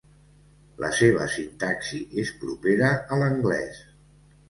La seva sintaxi és propera a l'anglès.